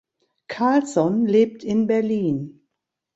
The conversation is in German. Carlson lebt in Berlin.